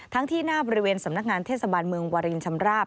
ที่หน้าบริเวณสำนักงานเทศบาลเมืองวารินชำราบ